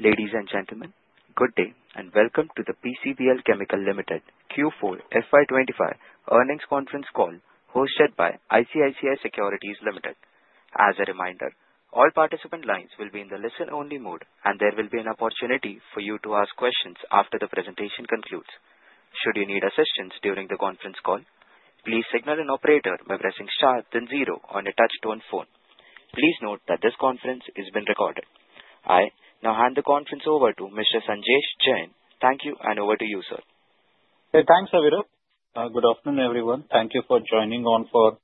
Ladies and gentlemen, good day and welcome to the PCBL Limited Q4 FY25 earnings conference call hosted by ICICI Securities Limited. As a reminder, all participant lines will be in the listen-only mode, and there will be an opportunity for you to ask questions after the presentation concludes. Should you need assistance during the conference call, please signal an operator by pressing star then zero on your touch-tone phone. Please note that this conference is being recorded. I now hand the conference over to Mr. Sanjesh Jain. Thank you, and over to you, sir. Thanks, Avira. Good afternoon, everyone. Thank you for joining on for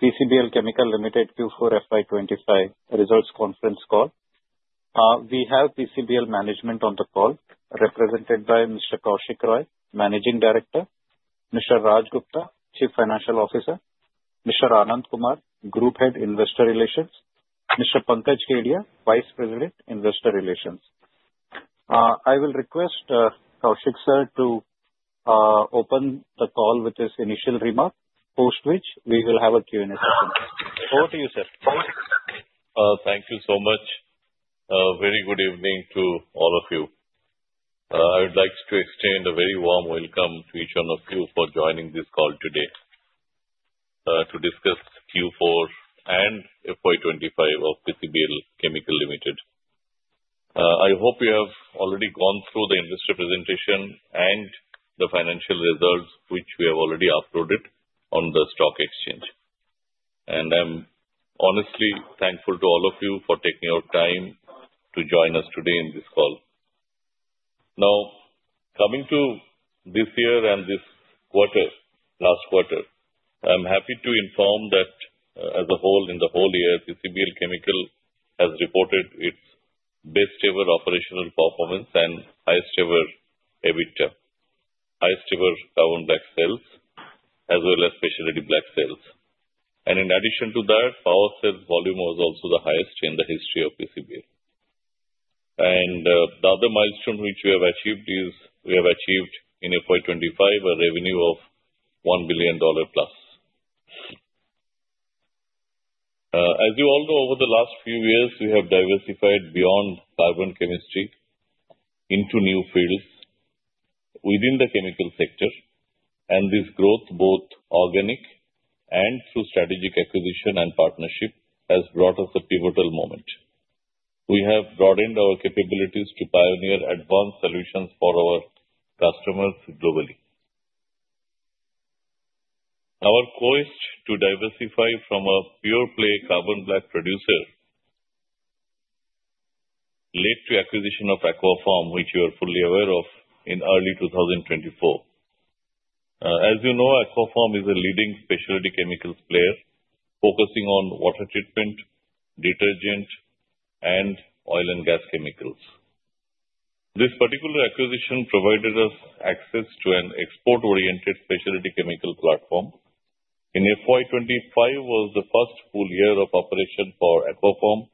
PCBL Limited Q4 FY25 results conference call. We have PCBL management on the call, represented by Mr. Kaushik Roy, Managing Director, Mr. Raj Gupta, Chief Financial Officer, Mr. Anand Kumar, Group Head, Investor Relations, Mr. Pankaj Kedia, Vice President, Investor Relations. I will request Kaushik sir to open the call with his initial remark, post which we will have a Q&A session. Over to you, sir. Thank you so much. Very good evening to all of you. I would like to extend a very warm welcome to each one of you for joining this call today to discuss Q4 and FY25 of PCBL Limited. I hope you have already gone through the investor presentation and the financial results, which we have already uploaded on the stock exchange. And I'm honestly thankful to all of you for taking your time to join us today in this call. Now, coming to this year and this quarter, last quarter, I'm happy to inform that as a whole, in the whole year, PCBL has reported its best-ever operational performance and highest-ever EBITDA, highest-ever carbon black sales, as well as specialty black sales. And in addition to that, power sales volume was also the highest in the history of PCBL. The other milestone which we have achieved is, we have achieved in FY25, a revenue of $1 billion plus. As you all know, over the last few years, we have diversified beyond carbon chemistry into new fields within the chemical sector, and this growth, both organic and through strategic acquisition and partnership, has brought us a pivotal moment. We have broadened our capabilities to pioneer advanced solutions for our customers globally. Our quest to diversify from a pure-play carbon black producer led to the acquisition of Aquapharm, which you are fully aware of, in early 2024. As you know, Aquapharm is a leading specialty chemicals player focusing on water treatment, detergent, and oil and gas chemicals. This particular acquisition provided us access to an export-oriented specialty chemical platform, and FY25 was the first full year of operation for Aquapharm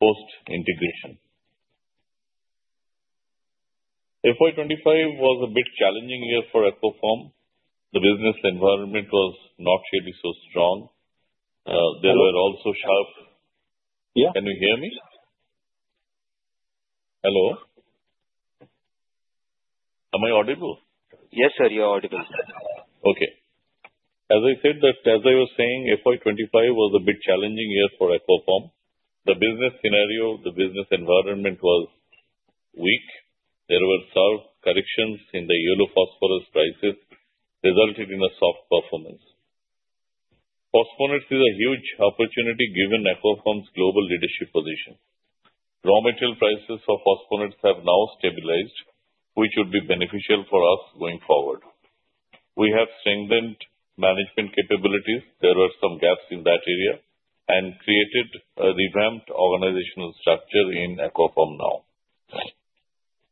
post-integration. FY25 was a bit challenging year for Aquapharm. The business environment was not really so strong. There were also sharp. Yeah. Can you hear me? Hello? Am I audible? Yes, sir, you're audible. Okay. As I said, as I was saying, FY25 was a bit challenging year for Aquapharm. The business scenario, the business environment was weak. There were some corrections in the yellow phosphorus prices, resulting in a soft performance. Phosphonates is a huge opportunity given Aquapharm's global leadership position. Raw material prices for phosphonates have now stabilized, which would be beneficial for us going forward. We have strengthened management capabilities. There were some gaps in that area and created a revamped organizational structure in Aquapharm now.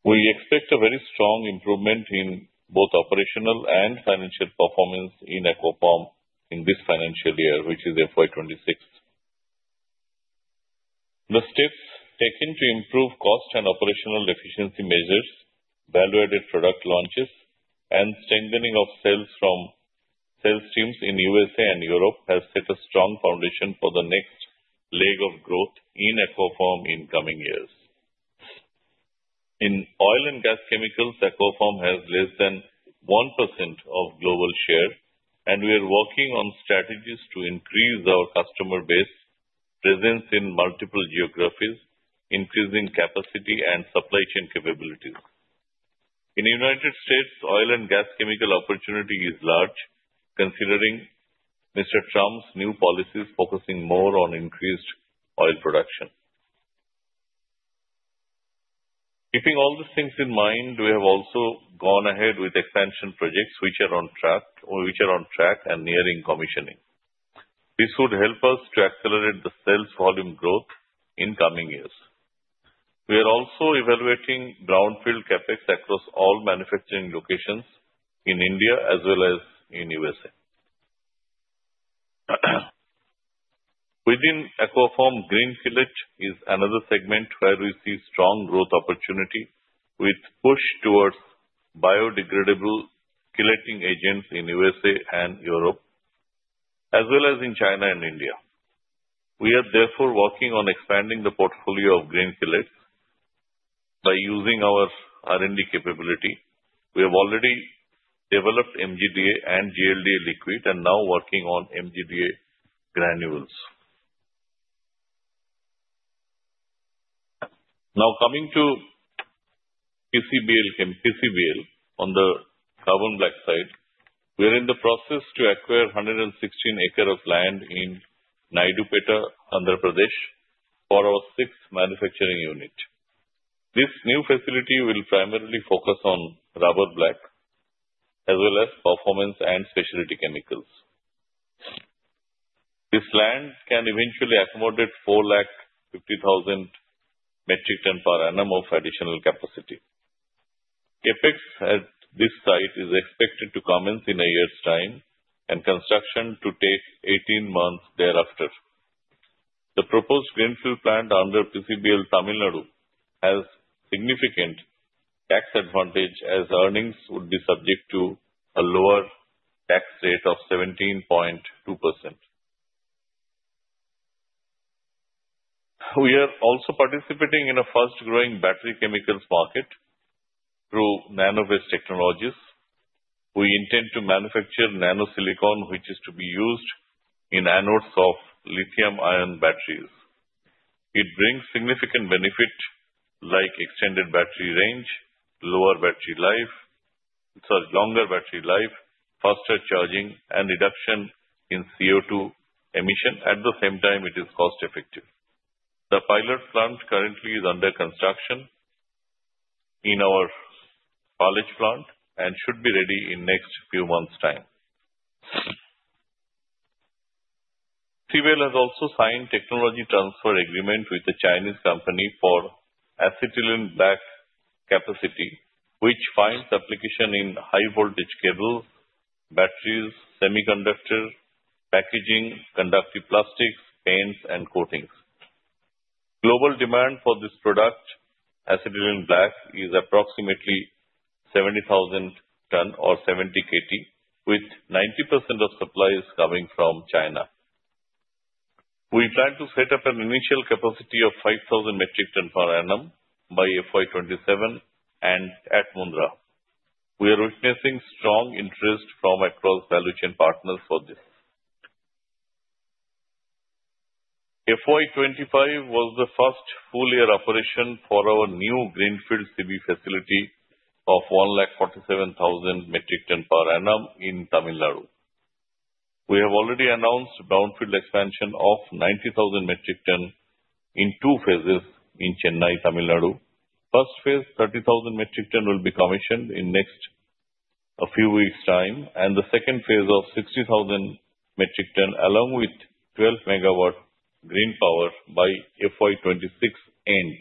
We expect a very strong improvement in both operational and financial performance in Aquapharm in this financial year, which is FY26. The steps taken to improve cost and operational efficiency measures, value-added product launches, and strengthening of sales from sales teams in the USA and Europe have set a strong foundation for the next leg of growth in Aquapharm in coming years. In oil and gas chemicals, Aquapharm has less than 1% of global share, and we are working on strategies to increase our customer base presence in multiple geographies, increasing capacity and supply chain capabilities. In the United States, oil and gas chemical opportunity is large, considering Mr. Trump's new policies focusing more on increased oil production. Keeping all these things in mind, we have also gone ahead with expansion projects which are on track and nearing commissioning. This would help us to accelerate the sales volume growth in coming years. We are also evaluating greenfield CapEx across all manufacturing locations in India as well as in the USA. Within Aquapharm, green chelates is another segment where we see strong growth opportunity with push towards biodegradable chelating agents in the USA and Europe, as well as in China and India. We are, therefore, working on expanding the portfolio of green chelates by using our R&D capability. We have already developed MGDA and GLDA liquid and are now working on MGDA granules. Now, coming to PCBL on the carbon black side, we are in the process to acquire 116 acres of land in Naidupeta, Andhra Pradesh, for our sixth manufacturing unit. This new facility will primarily focus on rubber black as well as performance and specialty chemicals. This land can eventually accommodate 450,000 metric tons per annum of additional capacity. CapEx at this site is expected to commence in a year's time, and construction to take 18 months thereafter. The proposed greenfield plant under PCBL Tamil Nadu has significant tax advantage as earnings would be subject to a lower tax rate of 17.2%. We are also participating in a fast-growing battery chemicals market through NanoWave Technologies. We intend to manufacture nanosilicon, which is to be used in anodes of lithium-ion batteries. It brings significant benefits like extended battery range, longer battery life, faster charging, and reduction in CO2 emission. At the same time, it is cost-effective. The pilot plant currently is under construction in our Palej plant and should be ready in the next few months' time. PCBL has also signed a technology transfer agreement with a Chinese company for acetylene black capacity, which finds application in high-voltage cables, batteries, semiconductors, packaging, conductive plastics, paints, and coatings. Global demand for this product, acetylene black, is approximately 70,000 tons or 70 KT, with 90% of supply coming from China. We plan to set up an initial capacity of 5,000 metric tons per annum by FY27 and at Mundra. We are witnessing strong interest from across value chain partners for this. FY25 was the first full-year operation for our new greenfield CB facility of 147,000 metric tons per annum in Tamil Nadu. We have already announced greenfield expansion of 90,000 metric tons in two phases in Chennai, Tamil Nadu. First phase, 30,000 metric tons, will be commissioned in the next few weeks' time, and the second phase of 60,000 metric tons along with 12 megawatts green power by FY26 end.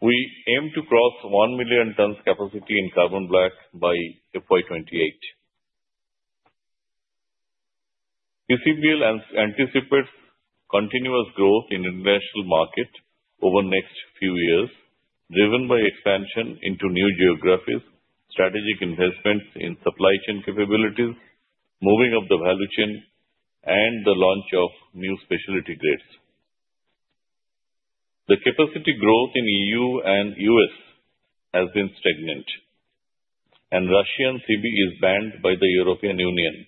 We aim to cross 1 million tons capacity in carbon black by FY28. PCBL anticipates continuous growth in the international market over the next few years, driven by expansion into new geographies, strategic investments in supply chain capabilities, moving up the value chain, and the launch of new specialty grades. The capacity growth in the EU and U.S. has been stagnant, and Russian CB is banned by the European Union.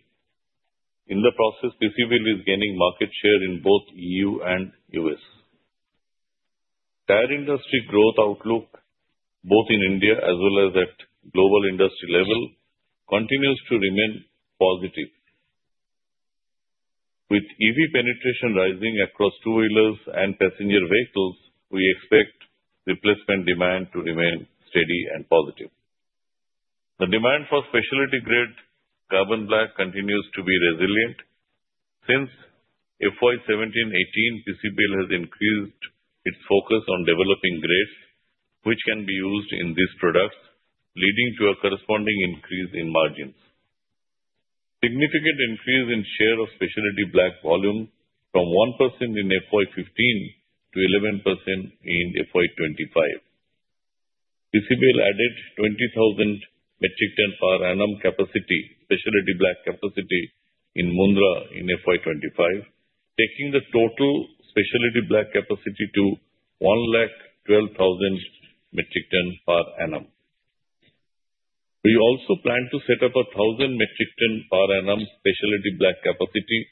In the process, PCBL is gaining market share in both the EU and U.S. Their industry growth outlook, both in India as well as at global industry level, continues to remain positive. With EV penetration rising across two-wheelers and passenger vehicles, we expect replacement demand to remain steady and positive. The demand for specialty-grade carbon black continues to be resilient. Since FY17-18, PCBL has increased its focus on developing grades which can be used in these products, leading to a corresponding increase in margins. Significant increase in share of specialty black volume from 1% in FY15 to 11% in FY25. PCBL added 20,000 metric tons per annum specialty black capacity in Mundra in FY25, taking the total specialty black capacity to 112,000 metric tons per annum. We also plan to set up a 1,000 metric tons per annum specialty black capacity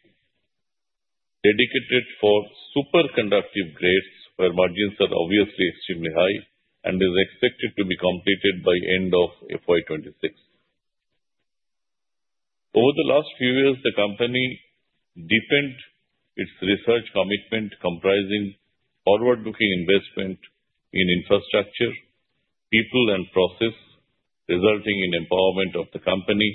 dedicated for superconductive grades where margins are obviously extremely high and is expected to be completed by the end of FY26. Over the last few years, the company deepened its research commitment, comprising forward-looking investment in infrastructure, people, and process, resulting in empowerment of the company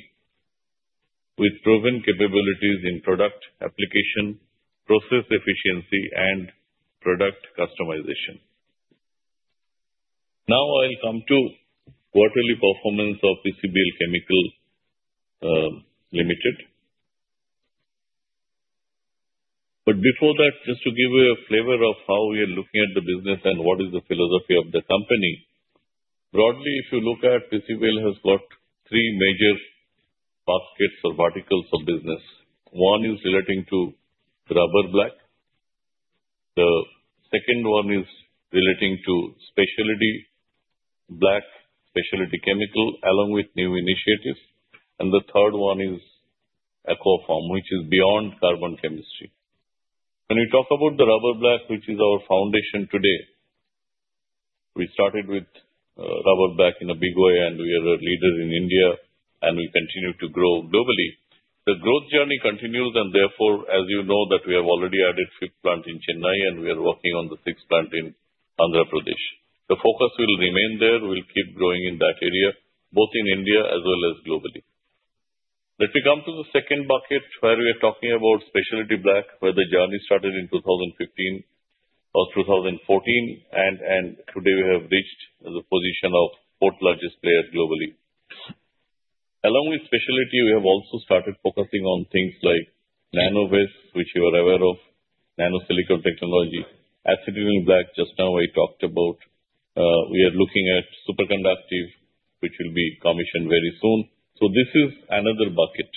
with proven capabilities in product application, process efficiency, and product customization. Now, I'll come to quarterly performance of PCBL Limited. But before that, just to give you a flavor of how we are looking at the business and what is the philosophy of the company, broadly, if you look at PCBL, it has got three major baskets or verticals of business. One is relating to rubber black. The second one is relating to specialty black, specialty chemical, along with new initiatives. And the third one is Aquapharm, which is beyond carbon chemistry. When we talk about the rubber black, which is our foundation today, we started with rubber black in a big way, and we are a leader in India, and we continue to grow globally. The growth journey continues, and therefore, as you know, we have already added a fifth plant in Chennai, and we are working on the sixth plant in Andhra Pradesh. The focus will remain there. We'll keep growing in that area, both in India as well as globally. Let me come to the second bucket where we are talking about specialty black, where the journey started in 2015 or 2014, and today we have reached the position of fourth-largest player globally. Along with specialty, we have also started focusing on things like NanoWave, which you are aware of, nanosilicon technology, acetylene black, just now I talked about. We are looking at superconductive, which will be commissioned very soon, so this is another bucket.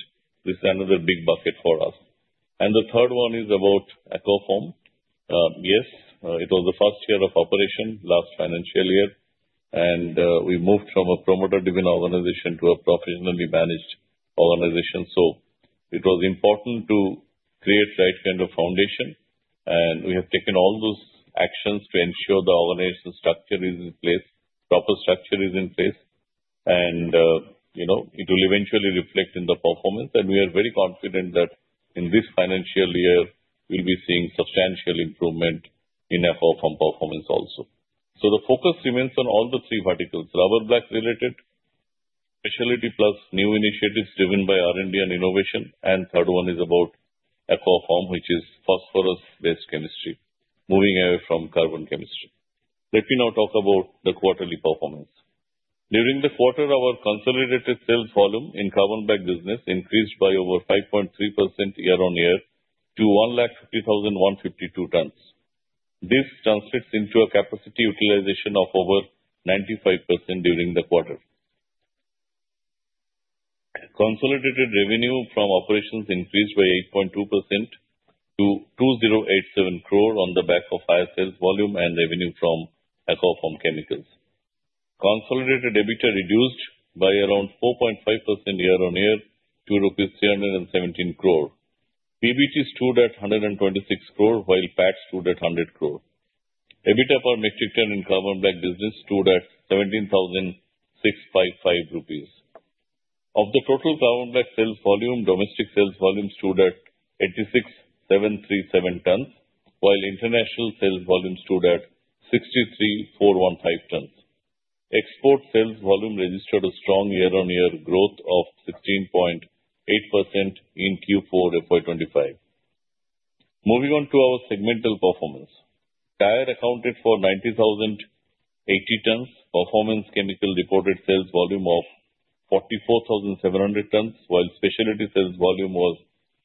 This is another big bucket for us. The third one is about Aquapharm. Yes, it was the first year of operation, last financial year, and we moved from a promoter-driven organization to a professionally managed organization, so it was important to create the right kind of foundation, and we have taken all those actions to ensure the organization structure is in place, proper structure is in place, and it will eventually reflect in the performance. We are very confident that in this financial year, we'll be seeing substantial improvement in Aquapharm performance also. The focus remains on all the three verticals: rubber black-related specialty plus new initiatives driven by R&D and innovation. The third one is about Aquapharm, which is phosphorus-based chemistry, moving away from carbon chemistry. Let me now talk about the quarterly performance. During the quarter, our consolidated sales volume in carbon black business increased by over 5.3% year-on-year to 150,152 tons. This translates into a capacity utilization of over 95% during the quarter. Consolidated revenue from operations increased by 8.2% to 2,087 crore on the back of higher sales volume and revenue from Aquapharm Chemicals. Consolidated EBITDA reduced by around 4.5% year-on-year to rupees 317 crore. PBT stood at 126 crore, while PAT stood at 100 crore. EBITDA per metric ton in carbon black business stood at 17,655 rupees. Of the total carbon black sales volume, domestic sales volume stood at 86,737 tons, while international sales volume stood at 63,415 tons. Export sales volume registered a strong year-on-year growth of 16.8% in Q4 FY25. Moving on to our segmental performance, Tire accounted for 90,080 tons. Performance chemical reported sales volume of 44,700 tons, while specialty sales volume was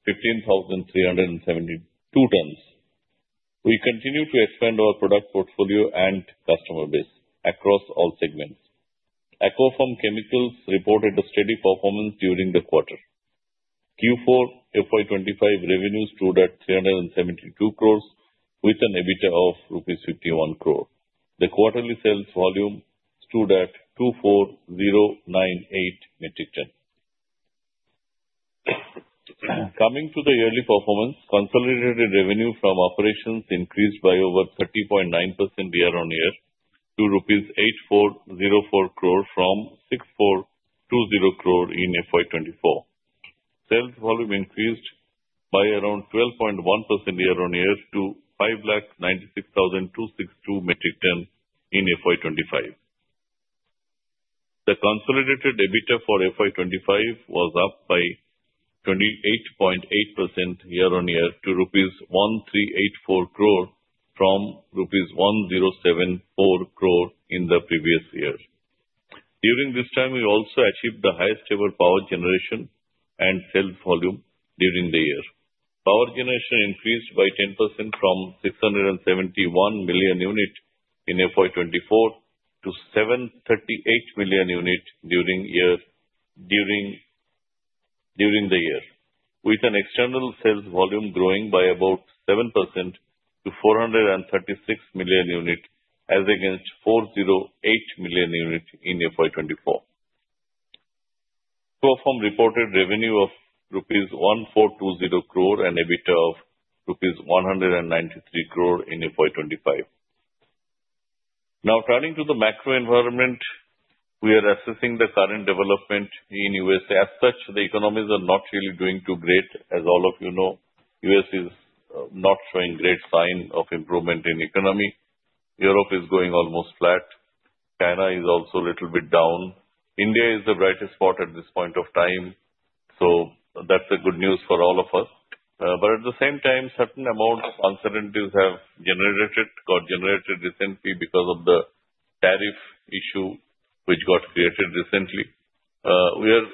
15,372 tons. We continue to expand our product portfolio and customer base across all segments. Aquapharm Chemicals reported a steady performance during the quarter. Q4 FY25 revenue stood at 372 crores with an EBITDA of rupees 51 crore. The quarterly sales volume stood at 24,098 metric tons. Coming to the yearly performance, consolidated revenue from operations increased by over 30.9% year-on-year to rupees 8,404 crore from 6,420 crore in FY24. Sales volume increased by around 12.1% year-on-year to 596,262 metric tons in FY25. The consolidated EBITDA for FY25 was up by 28.8% year-on-year to rupees 1,384 crore from rupees 1,074 crore in the previous year. During this time, we also achieved the highest-ever power generation and sales volume during the year. Power generation increased by 10% from 671 million units in FY24 to 738 million units during the year, with an external sales volume growing by about 7% to 436 million units, as against 408 million units in FY24. Aquapharm reported revenue of rupees 1,420 crore and EBITDA of rupees 193 crore in FY25. Now, turning to the macro environment, we are assessing the current development in the U.S. As such, the economies are not really doing too great. As all of you know, the U.S. is not showing great signs of improvement in the economy. Europe is going almost flat. China is also a little bit down. India is the brightest spot at this point of time. So that's good news for all of us. But at the same time, certain amounts of uncertainties have got generated recently because of the tariff issue which got created recently.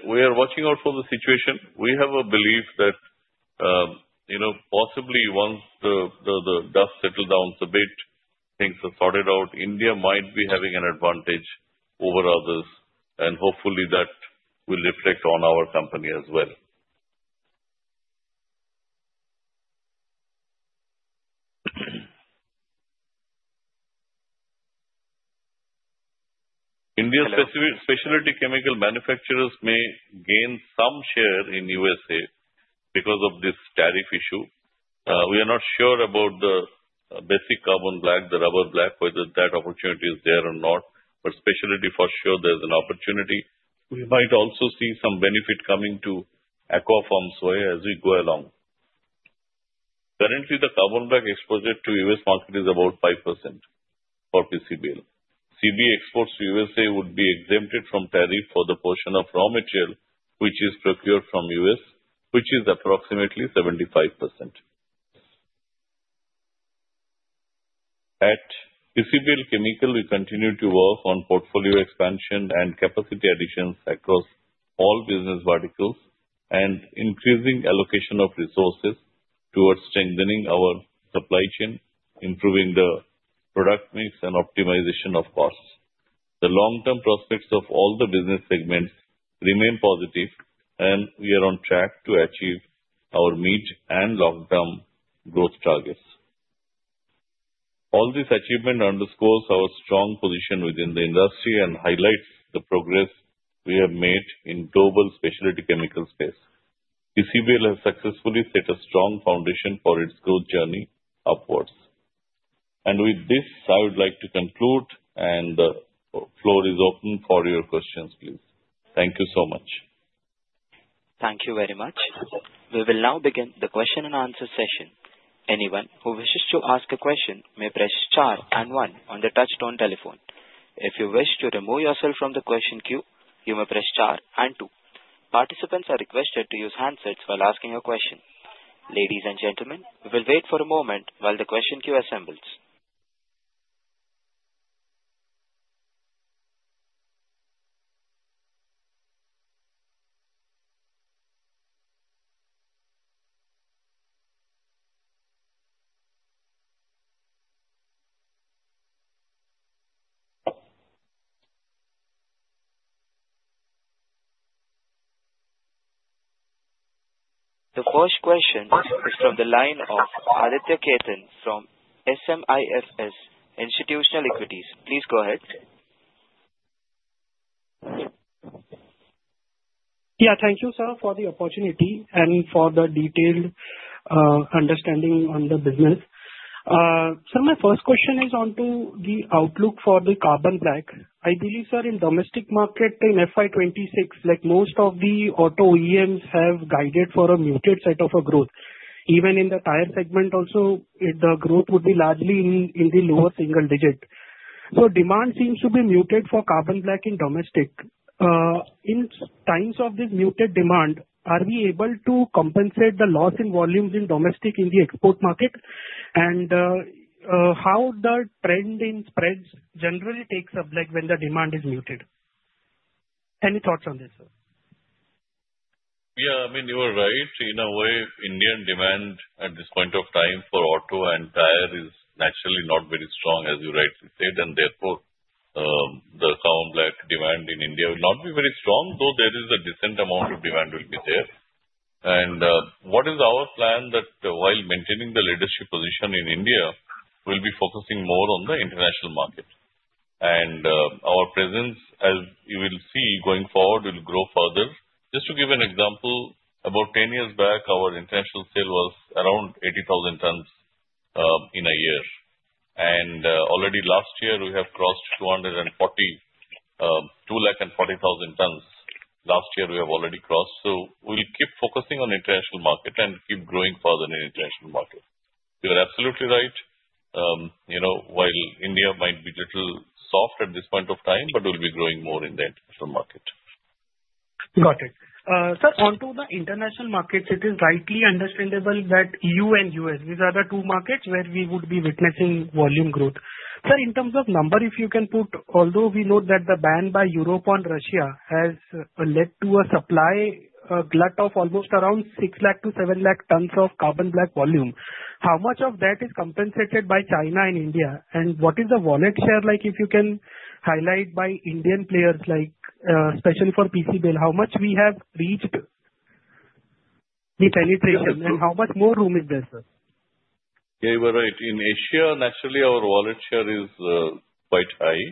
We are watching out for the situation. We have a belief that possibly once the dust settles down a bit, things are sorted out, India might be having an advantage over others, and hopefully that will reflect on our company as well. India's specialty chemical manufacturers may gain some share in the USA because of this tariff issue. We are not sure about the basic carbon black, the rubber black, whether that opportunity is there or not. But specialty, for sure, there's an opportunity. We might also see some benefit coming to Aquapharm's way as we go along. Currently, the carbon black exposure to the U.S. market is about 5% for PCBL. CB exports to the USA would be exempted from tariff for the portion of raw material which is procured from the U.S., which is approximately 75%. At PCBL Chemical, we continue to work on portfolio expansion and capacity additions across all business verticals and increasing allocation of resources towards strengthening our supply chain, improving the product mix, and optimization of costs. The long-term prospects of all the business segments remain positive, and we are on track to achieve our mid and long-term growth targets. All these achievements underscore our strong position within the industry and highlight the progress we have made in the global specialty chemical space. PCBL has successfully set a strong foundation for its growth journey upwards, and with this, I would like to conclude, and the floor is open for your questions, please. Thank you so much. Thank you very much. We will now begin the question and answer session. Anyone who wishes to ask a question may press 4 and 1 on the touch-tone telephone. If you wish to remove yourself from the question queue, you may press 4 and 2. Participants are requested to use handsets while asking a question. Ladies and gentlemen, we will wait for a moment while the question queue assembles. The first question is from the line of Aditya Khetan from SMIFS Institutional Equities. Please go ahead. Yeah, thank you, sir, for the opportunity and for the detailed understanding on the business. Sir, my first question is onto the outlook for the carbon black. I believe, sir, in the domestic market in FY26, like most of the auto OEMs have guided for a muted set of growth. Even in the tire segment also, the growth would be largely in the lower single digit. So demand seems to be muted for carbon black in domestic. In times of this muted demand, are we able to compensate the loss in volumes in domestic in the export market? And how the trend in spreads generally takes up when the demand is muted? Any thoughts on this, sir? Yeah, I mean, you are right. In a way, Indian demand at this point of time for auto and tire is naturally not very strong, as you rightly said. And therefore, the carbon black demand in India will not be very strong, though there is a decent amount of demand will be there. And what is our plan that while maintaining the leadership position in India, we will be focusing more on the international market? And our presence, as you will see going forward, will grow further. Just to give an example, about 10 years back, our international sale was around 80,000 tons in a year. And already last year, we have crossed 240,000 tons. Last year, we have already crossed. So we'll keep focusing on the international market and keep growing further in the international market. You are absolutely right. While India might be a little soft at this point of time, but we'll be growing more in the international market. Got it. Sir, onto the international markets, it is rightly understandable that India and the U.S., these are the two markets where we would be witnessing volume growth. Sir, in terms of number, if you can put, although we note that the ban by Europe on Russia has led to a supply glut of almost around 6 lakh-7 lakh tons of carbon black volume, how much of that is compensated by China and India? And what is the wallet share like if you can highlight by Indian players, especially for PCBL, how much we have reached with penetration and how much more room is there, sir? Yeah, you were right. In Asia, naturally, our wallet share is quite high.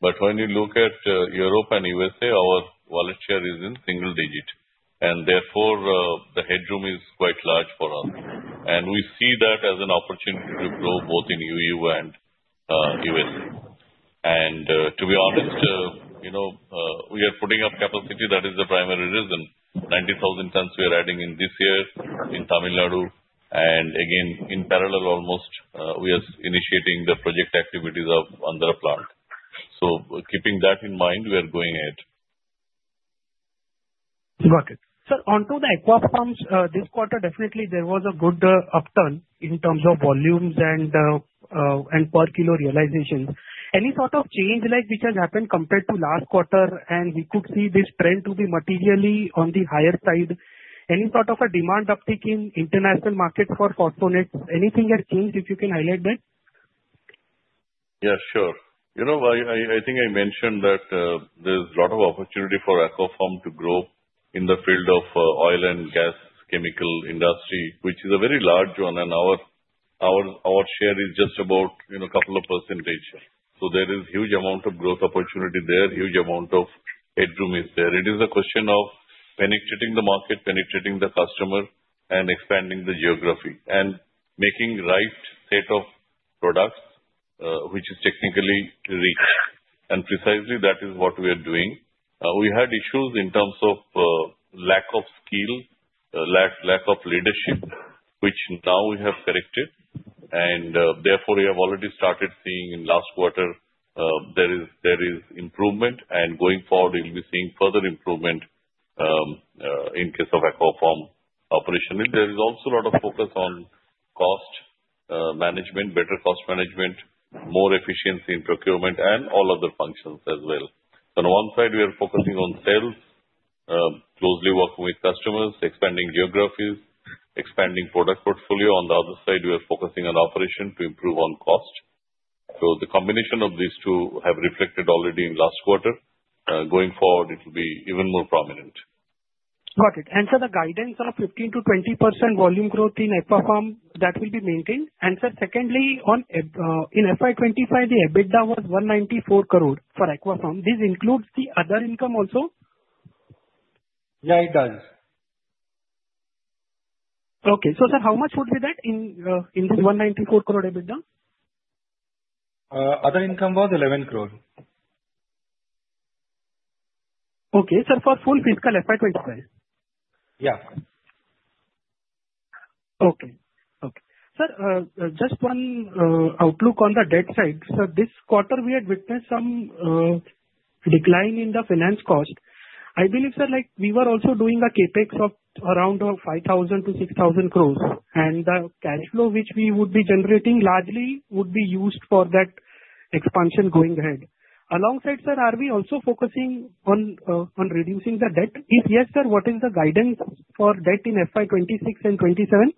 But when you look at Europe and the USA, our wallet share is in single digit. And therefore, the headroom is quite large for us. And we see that as an opportunity to grow both in the EU and the U.S. And to be honest, we are putting up capacity. That is the primary reason. 90,000 tons we are adding in this year in Tamil Nadu. And again, in parallel, almost, we are initiating the project activities under a plant. So keeping that in mind, we are going ahead. Got it. Sir, onto the Aquapharm, this quarter, definitely, there was a good upturn in terms of volumes and per kilo realizations. Any sort of change which has happened compared to last quarter? And we could see this trend to be materially on the higher side. Any sort of a demand uptick in international markets for phosphonates? Anything has changed if you can highlight that? Yeah, sure. I think I mentioned that there's a lot of opportunity for Aquapharm to grow in the field of oil and gas chemical industry, which is a very large one. And our share is just about a couple of percent. So there is a huge amount of growth opportunity there. A huge amount of headroom is there. It is a question of penetrating the market, penetrating the customer, and expanding the geography, and making the right set of products which is technically rich. And precisely, that is what we are doing. We had issues in terms of lack of skill, lack of leadership, which now we have corrected. And therefore, we have already started seeing in the last quarter, there is improvement. And going forward, we'll be seeing further improvement in the case of Aquapharm operation. There is also a lot of focus on cost management, better cost management, more efficiency in procurement, and all other functions as well. On one side, we are focusing on sales, closely working with customers, expanding geographies, expanding product portfolio. On the other side, we are focusing on operation to improve on cost. So the combination of these two has reflected already in the last quarter. Going forward, it will be even more prominent. Got it. And sir, the guidance of 15%-20% volume growth in Aquapharm, that will be maintained? And sir, secondly, in FY25, the EBITDA was 194 crore for Aquapharm. Does this include the other income also? Yeah, it does. Okay. So sir, how much would be that in this 194 crore EBITDA? Other income was 11 crore. Okay. Sir, for full fiscal FY25? Yeah. Okay. Okay. Sir, just one outlook on the debt side. Sir, this quarter, we had witnessed some decline in the finance cost. I believe, sir, we were also doing a CapEx of around 5,000-6,000 crores. And the cash flow which we would be generating largely would be used for that expansion going ahead. Alongside, sir, are we also focusing on reducing the debt? If yes, sir, what is the guidance for debt in FY26 and 27?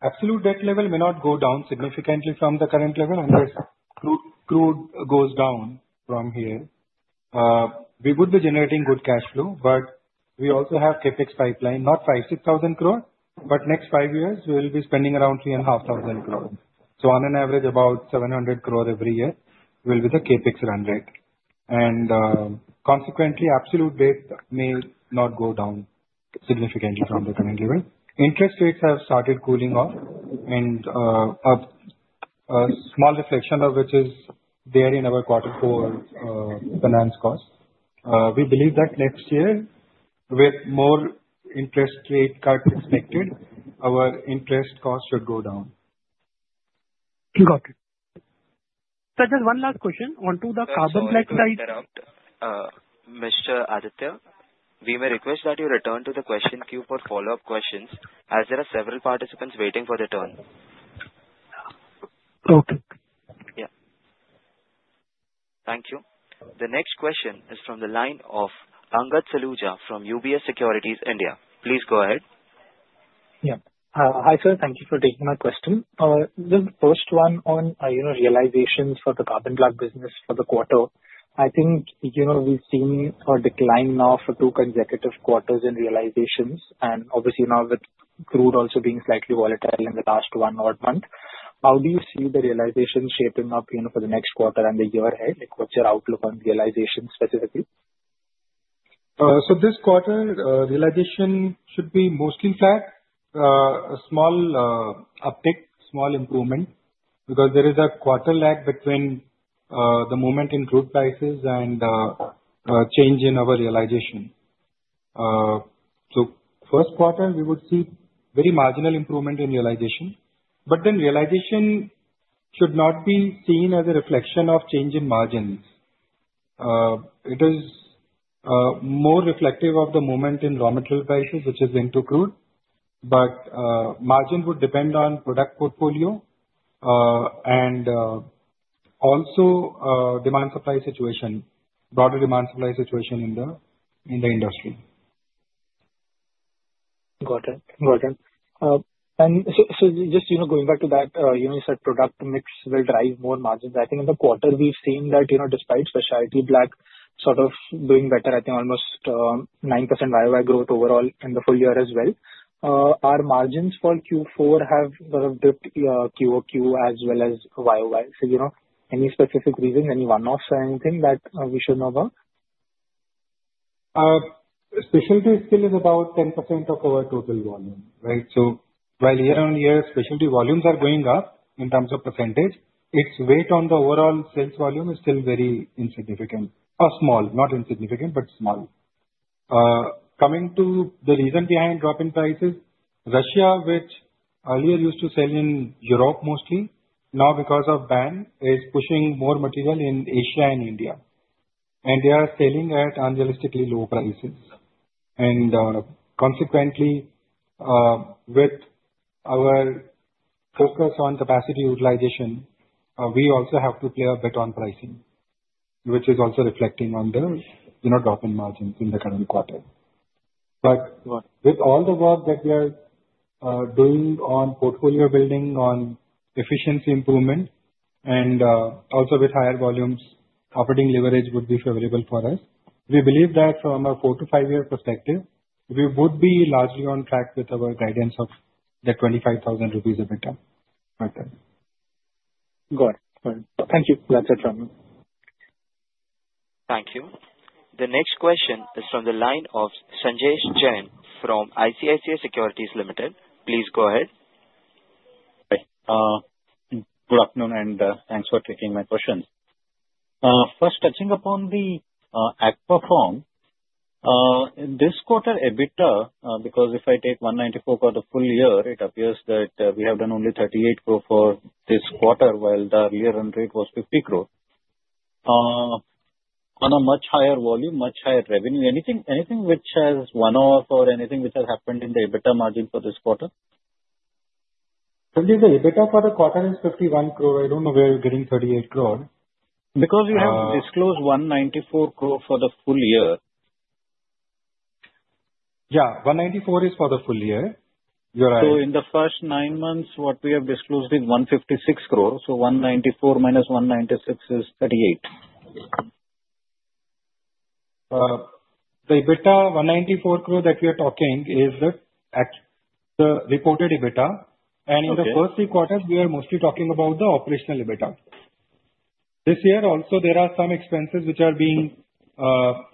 Absolute debt level may not go down significantly from the current level unless crude goes down from here. We would be generating good cash flow, but we also have CapEx pipeline. Not 5,000-6,000 crore, but next five years, we'll be spending around 3,500 crore. So on an average, about 700 crore every year will be the CapEx run rate. And consequently, absolute debt may not go down significantly from the current level. Interest rates have started cooling off, and a small reflection of which is there in our quarter four finance cost. We believe that next year, with more interest rate cuts expected, our interest cost should go down. Got it. Sir, just one last question. Onto the carbon black side. Mr. Aditya, we may request that you return to the question queue for follow-up questions, as there are several participants waiting for their turn. Okay. Yeah. Thank you. The next question is from the line of Angad Saluja from UBS Securities India. Please go ahead. Yeah. Hi, sir. Thank you for taking my question. The first one on realizations for the carbon black business for the quarter. I think we've seen a decline now for two consecutive quarters in realizations. And obviously, now with crude also being slightly volatile in the last one-odd month, how do you see the realization shaping up for the next quarter and the year ahead? What's your outlook on realization specifically? So this quarter, realization should be mostly flat. A small uptick, small improvement, because there is a quarter lag between the movement in crude prices and change in our realization. So first quarter, we would see very marginal improvement in realization. But then realization should not be seen as a reflection of change in margins. It is more reflective of the movement in raw material prices, which is linked to crude. But margin would depend on product portfolio and also demand-supply situation, broader demand-supply situation in the industry. Got it. Got it. And sir, just going back to that, you said product mix will drive more margins. I think in the quarter, we've seen that despite specialty black sort of doing better, I think almost 9% YOY growth overall in the full year as well, our margins for Q4 have sort of dipped QOQ as well as YOY. So any specific reason, any one-offs or anything that we should know about? Specialty still is about 10% of our total volume, right? While year-on-year, specialty volumes are going up in terms of percentage, its weight on the overall sales volume is still very insignificant or small, not insignificant, but small. Coming to the reason behind drop in prices, Russia, which earlier used to sell in Europe mostly, now because of ban, is pushing more material in Asia and India. They are selling at unrealistically low prices. Consequently, with our focus on capacity utilization, we also have to play a bet on pricing, which is also reflecting on the drop in margins in the current quarter. With all the work that we are doing on portfolio building, on efficiency improvement, and also with higher volumes, operating leverage would be favorable for us. We believe that from a four- to five-year perspective, we would be largely on track with our guidance of the 25,000 rupees EBITDA per ton. Got it. Got it. Thank you. That's it from me. Thank you. The next question is from the line of Sanjesh Jain from ICICI Securities Limited. Please go ahead. Hi. Good afternoon, and thanks for taking my question. First, touching upon the Aquapharm, this quarter EBITDA, because if I take 194 crore the full year, it appears that we have done only 38 crore for this quarter, while the earlier run rate was 50 crore. On a much higher volume, much higher revenue, anything which has one-off or anything which has happened in the EBITDA margin for this quarter? Sanjesh, the EBITDA for the quarter is 51 crore. I don't know why we're getting 38 crore. Because we have disclosed 194 crore for the full year. Yeah, 194 crore is for the full year. You're right. So in the first nine months, what we have disclosed is 156 crore. So 194- 196 is 38. The EBITDA, 194 crore that we are talking is the reported EBITDA. And in the first three quarters, we are mostly talking about the operational EBITDA. This year, also, there are some expenses which are being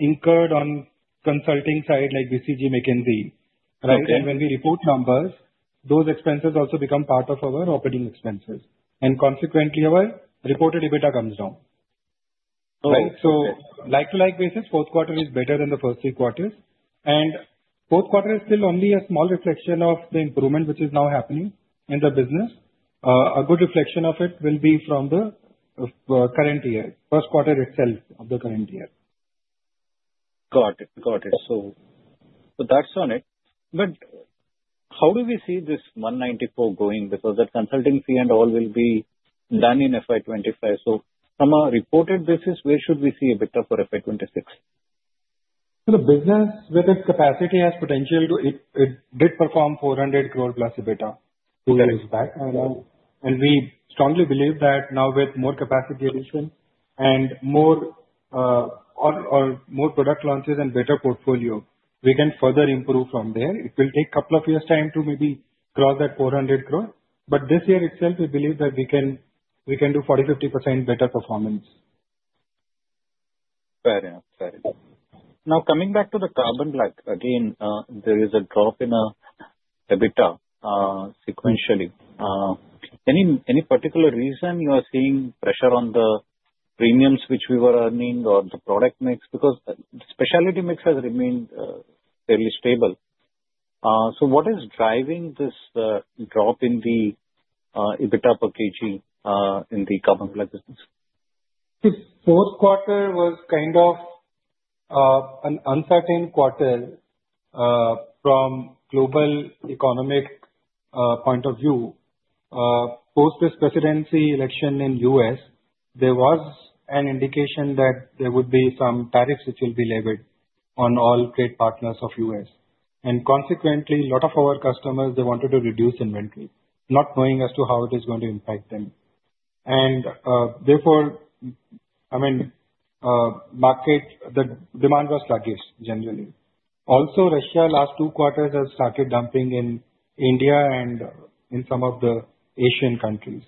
incurred on consulting side like BCG, McKinsey, right? And when we report numbers, those expenses also become part of our operating expenses. And consequently, our reported EBITDA comes down. So like-for-like basis, fourth quarter is better than the first three quarters. And fourth quarter is still only a small reflection of the improvement which is now happening in the business. A good reflection of it will be from the current year, first quarter itself of the current year. Got it. Got it. So that's on it. But how do we see this 194 going? Because that consulting fee and all will be done in FY25. So from a reported basis, where should we see EBITDA for FY26? The business, with its capacity as potential, it did perform 400 crore plus EBITDA two years back. And we strongly believe that now with more capacity addition and more product launches and better portfolio, we can further improve from there. It will take a couple of years' time to maybe cross that 400 crore. But this year itself, we believe that we can do 40%-50% better performance. Fair enough. Fair enough. Now, coming back to the carbon black, again, there is a drop in EBITDA sequentially. Any particular reason you are seeing pressure on the premiums which we were earning or the product mix? Because specialty mix has remained fairly stable. So what is driving this drop in the EBITDA per kg in the carbon black business? The fourth quarter was kind of an uncertain quarter from a global economic point of view. Post this presidential election in the U.S., there was an indication that there would be some tariffs which will be levied on all trade partners of the U.S. And consequently, a lot of our customers, they wanted to reduce inventory, not knowing as to how it is going to impact them. And therefore, I mean, the demand was sluggish generally. Also, Russia last two quarters has started dumping in India and in some of the Asian countries.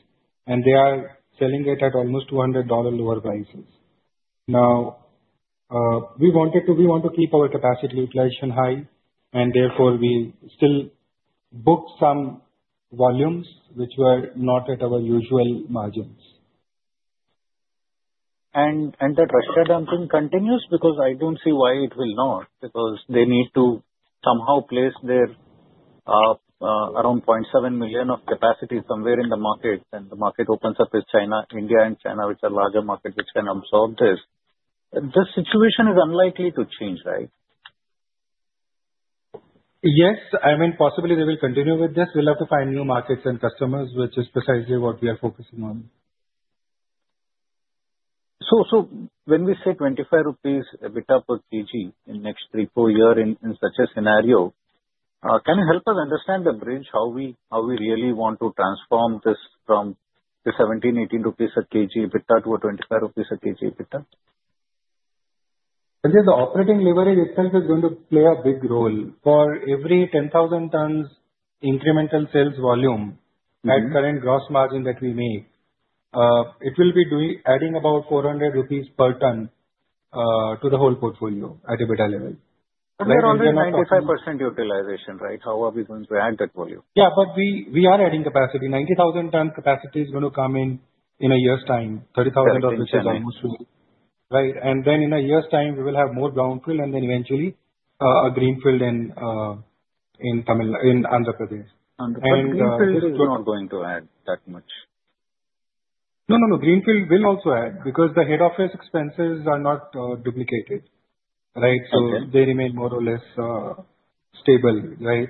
And they are selling it at almost $200 lower prices. Now, we want to keep our capacity utilization high. And therefore, we still booked some volumes which were not at our usual margins. That Russia dumping continues because I don't see why it will not, because they need to somehow place their around 0.7 million of capacity somewhere in the market. The market opens up with China, India, and China, which are larger markets which can absorb this. This situation is unlikely to change, right? Yes. I mean, possibly they will continue with this. We'll have to find new markets and customers, which is precisely what we are focusing on. So when we say 25 rupees EBITDA per kg in the next three, four years in such a scenario, can you help us understand the bridge how we really want to transform this from the 17-18 rupees a kg EBITDA to a 25 rupees a kg EBITDA? Sanjesh, the operating leverage itself is going to play a big role. For every 10,000 tons incremental sales volume at current gross margin that we make, it will be adding about 400 rupees per ton to the whole portfolio at EBITDA level. But we're already at 95% utilization, right? How are we going to add that volume? Yeah, but we are adding capacity. 90,000 tons capacity is going to come in a year's time. 30,000 of which is almost full. Right. And then in a year's time, we will have more brownfield and then eventually a greenfield in Andhra Pradesh. And greenfield is not going to add that much. No, no, no. Greenfield will also add because the head office expenses are not duplicated, right? So they remain more or less stable, right?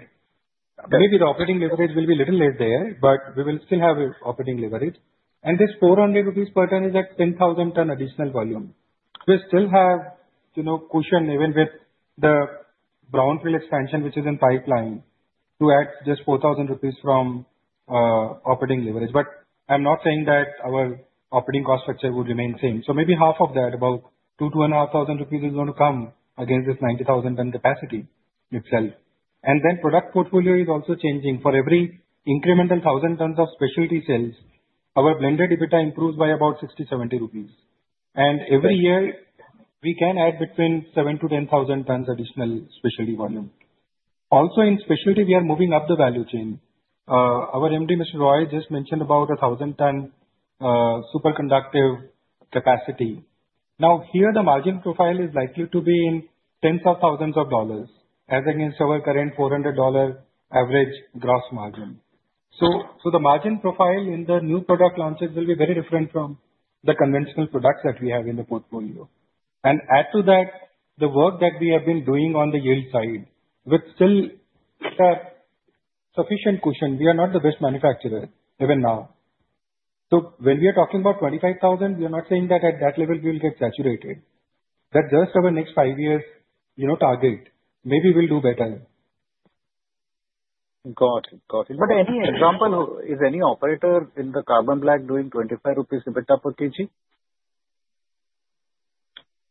Maybe the operating leverage will be a little less there, but we will still have operating leverage. And this 400 rupees per ton is at 10,000 ton additional volume. We still have cushion even with the brownfield expansion which is in pipeline to add just 4,000 rupees from operating leverage. But I'm not saying that our operating cost structure would remain the same. So maybe half of that, about 2-2,500 rupees, is going to come against this 90,000 ton capacity itself. And then product portfolio is also changing. For every incremental 1,000 tons of specialty sales, our blended EBITDA improves by about 60-70 rupees. And every year, we can add between 7-10,000 tons additional specialty volume. Also, in specialty, we are moving up the value chain. Our MD Mr. Roy just mentioned about a 1,000-ton superconductive capacity. Now, here, the margin profile is likely to be in tens of thousands of dollars as against our current $400 average gross margin. So the margin profile in the new product launches will be very different from the conventional products that we have in the portfolio. And add to that the work that we have been doing on the yield side with still a sufficient cushion. We are not the best manufacturer even now. So when we are talking about 25,000, we are not saying that at that level we will get saturated. That's just our next five years' target. Maybe we'll do better. Got it. Got it. But any example? Is any operator in the carbon black doing 25 rupees EBITDA per kg?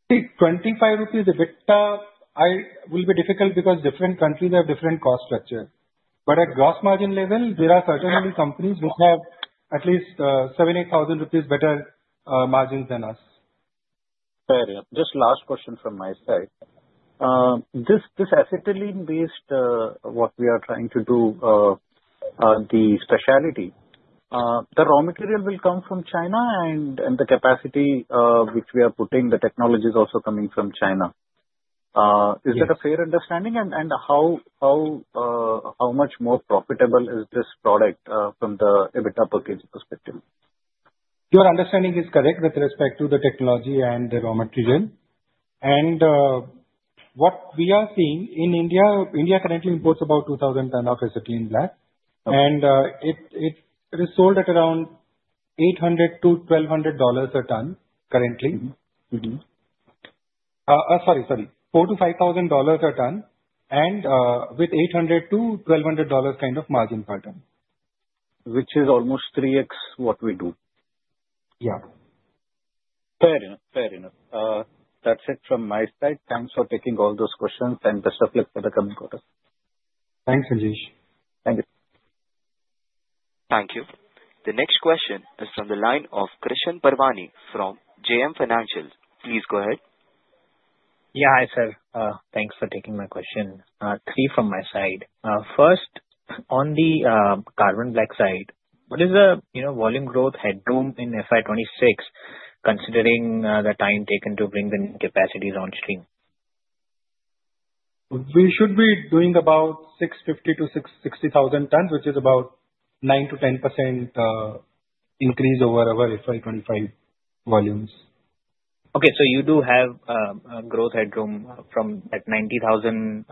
See, 25 rupees EBITDA will be difficult because different countries have different cost structure. But at gross margin level, there are certainly companies which have at least 7,000-8,000 rupees better margins than us. Fair enough. Just last question from my side. This acetylene-based what we are trying to do, the specialty, the raw material will come from China, and the capacity which we are putting, the technology is also coming from China. Is that a fair understanding? And how much more profitable is this product from the EBITDA per kg perspective? Your understanding is correct with respect to the technology and the raw material. And what we are seeing in India, India currently imports about 2,000 ton of acetylene black. And it is sold at around $800-$1,200 a ton currently. Sorry, sorry. $4,000-$5,000 a ton and with $800-$1,200 kind of margin per ton. Which is almost 3x what we do. Yeah. Fair enough. Fair enough. That's it from my side. Thanks for taking all those questions and best of luck for the coming quarter. Thanks, Sanjesh. Thank you. Thank you. The next question is from the line of Krishan Parwani from JM Financial. Please go ahead. Yeah. Hi, sir. Thanks for taking my question. Three from my side. First, on the carbon black side, what is the volume growth headroom in FY26 considering the time taken to bring the new capacity on stream? We should be doing about 650,000-660,000 tons, which is about 9%-10% increase over our FY25 volumes. Okay. So you do have a growth headroom from that 90,000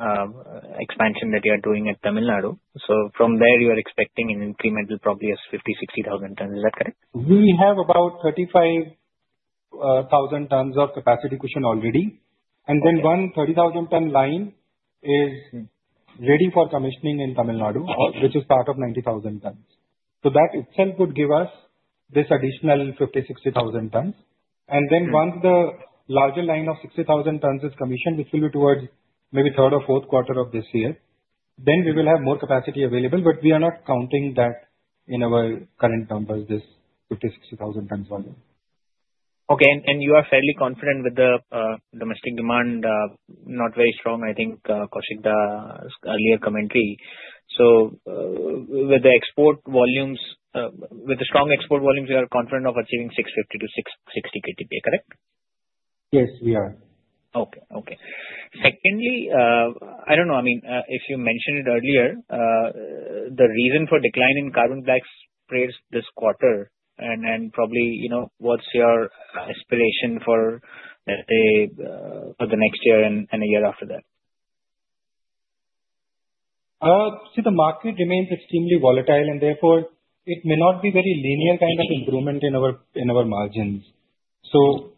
expansion that you are doing at Tamil Nadu. So from there, you are expecting an incremental probably of 50-60 thousand tons. Is that correct? We have about 35,000 tons of capacity cushion already. And then one 30,000-ton line is ready for commissioning in Tamil Nadu, which is part of 90,000 tons. So that itself would give us this additional 50-60 thousand tons. And then once the larger line of 60,000 tons is commissioned, which will be towards maybe third or fourth quarter of this year, then we will have more capacity available. But we are not counting that in our current numbers, this 50-60 thousand tons volume. Okay. And you are fairly confident with the domestic demand, not very strong, I think, Kaushik's earlier commentary. So with the export volumes, with the strong export volumes, you are confident of achieving 650-660 KTP, correct? Yes, we are. Okay. Okay. Secondly, I don't know. I mean, if you mentioned it earlier, the reason for decline in carbon black spreads this quarter. And probably what's your aspiration for, let's say, for the next year and a year after that? See, the market remains extremely volatile, and therefore it may not be very linear kind of improvement in our margins. So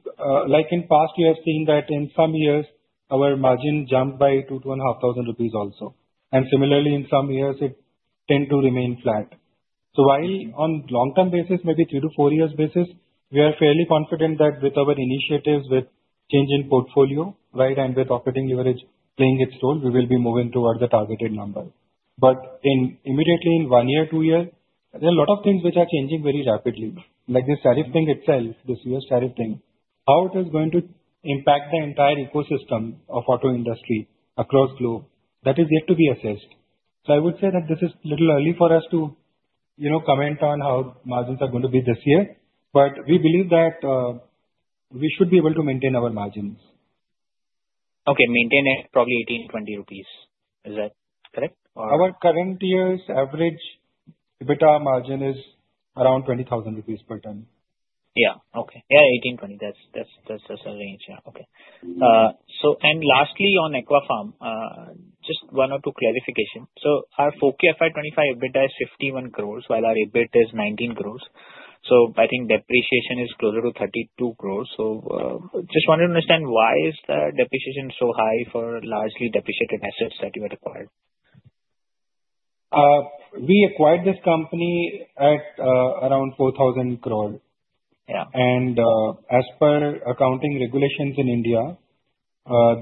like in the past, you have seen that in some years, our margin jumped by 2-2,500 rupees also. And similarly, in some years, it tended to remain flat. So while on long-term basis, maybe three to four years' basis, we are fairly confident that with our initiatives, with changing portfolio, right, and with operating leverage playing its role, we will be moving towards the targeted number. But immediately in one year, two years, there are a lot of things which are changing very rapidly, like this tariff thing itself, this U.S. tariff thing, how it is going to impact the entire ecosystem of auto industry across the globe. That is yet to be assessed. So I would say that this is a little early for us to comment on how margins are going to be this year. But we believe that we should be able to maintain our margins. Okay. Maintain it probably 18-20 rupees. Is that correct? Our current year's average EBITDA margin is around 20,000 rupees per ton. Yeah. Okay. Yeah, 18-20. That's a range. Yeah. Okay. And lastly, on Aquapharm, just one or two clarifications. So our Q4 FY25 EBITDA is 51 crores, while our EBIT is 19 crores. So I think depreciation is closer to 32 crores. So just wanted to understand why is the depreciation so high for largely depreciated assets that you had acquired? We acquired this company at around 4,000 crores. And as per accounting regulations in India,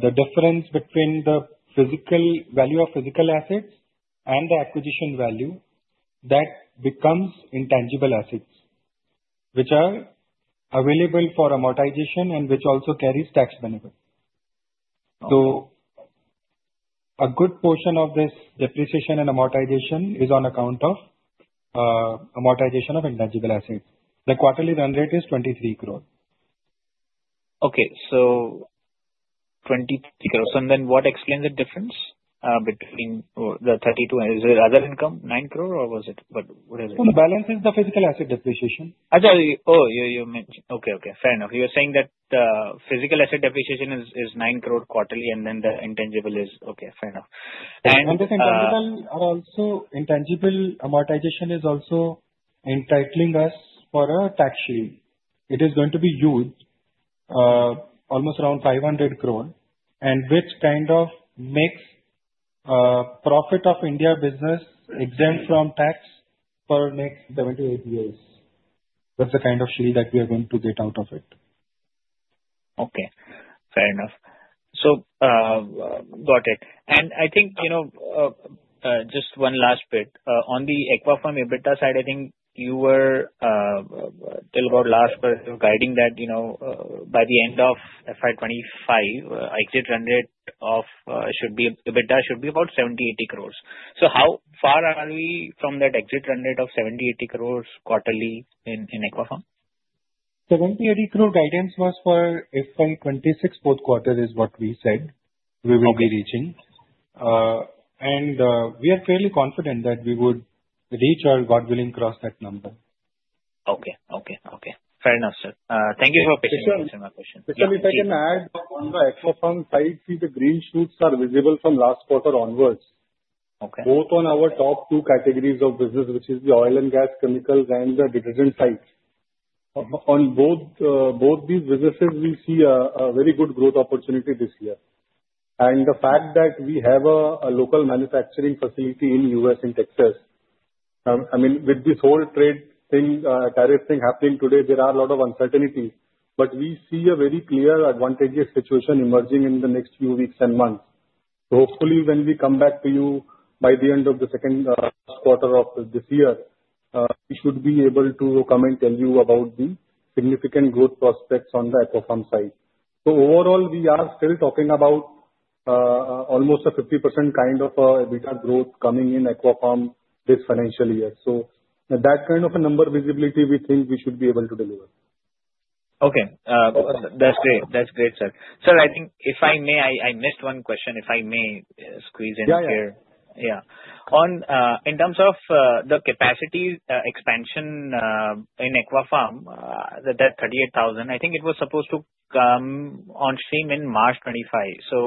the difference between the value of physical assets and the acquisition value, that becomes intangible assets, which are available for amortization and which also carries tax benefit. So a good portion of this depreciation and amortization is on account of amortization of intangible assets. The quarterly run rate is 23 crores. Okay. So 23 crores. And then what explains the difference between the 32? Is it other income, 9 crore, or was it whatever? The balance is the physical asset depreciation. Oh, you mentioned. Okay. Okay. Fair enough. You were saying that the physical asset depreciation is 9 crore quarterly, and then the intangible is okay. Fair enough. And the physical as well as intangible amortization is also entitling us for a tax shield. It is going to be used almost around 500 crore, and which kind of makes profit of Indian business exempt from tax for next 7-8 years. That's the kind of shield that we are going to get out of it. Okay. Fair enough. So got it. And I think just one last bit. On the Aquapharm EBITDA side, I think you were till about last guiding that by the end of FY25, exit run rate of EBITDA should be about 70-80 crores. So how far are we from that exit run rate of 70-80 crores quarterly in Aquapharm? 70-80 crore guidance was for FY26, fourth quarter is what we said we will be reaching. And we are fairly confident that we would reach or God willing cross that number. Okay. Okay. Okay. Fair enough, sir. Thank you for answering my question. Sir, if I can add on the Aquapharm side, see the green shoots are visible from last quarter onwards. Both on our top two categories of business, which is the oil and gas chemicals and the detergent side. On both these businesses, we see a very good growth opportunity this year. The fact that we have a local manufacturing facility in the U.S. in Texas, I mean, with this whole trade thing, tariff thing happening today, there are a lot of uncertainties. But we see a very clear advantageous situation emerging in the next few weeks and months. Hopefully, when we come back to you by the end of the second quarter of this year, we should be able to come and tell you about the significant growth prospects on the Aquapharm side. So overall, we are still talking about almost a 50% kind of EBITDA growth coming in Aquapharm this financial year. So that kind of a number visibility, we think we should be able to deliver. Okay. That's great. That's great, sir. Sir, I think if I may, I missed one question. If I may squeeze in here. Yeah. Yeah. In terms of the capacity expansion in Aquapharm, that 38,000, I think it was supposed to come on stream in March 2025. So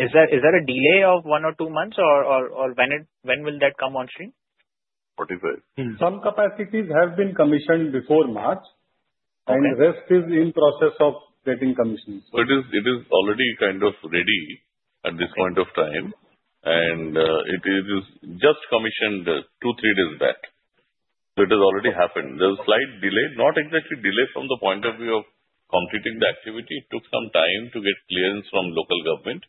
is there a delay of one or two months, or when will that come on stream? Some capacities have been commissioned before March, and the rest is in process of getting commissioned. So it is already kind of ready at this point of time. And it is just commissioned two, three days back. So it has already happened. There's a slight delay, not exactly delay from the point of view of completing the activity. It took some time to get clearance from local government,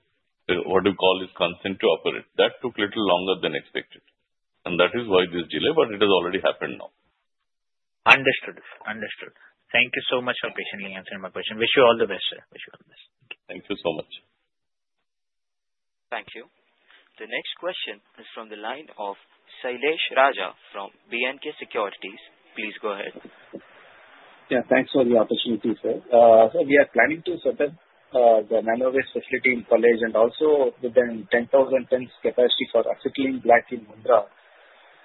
what we call is consent to operate. That took a little longer than expected. And that is why this delay, but it has already happened now. Understood. Understood. Thank you so much for patiently answering my question. Wish you all the best, sir. Wish you all the best. Thank you so much. Thank you. The next question is from the line of Shailesh Raja from B&K Securities. Please go ahead. Yeah. Thanks for the opportunity, sir. So we are planning to set up the Mundra-based facility in Palej and also within 10,000 tons capacity for acetylene black in Mundra.